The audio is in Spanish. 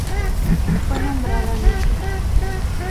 Fue nombrada Mrs.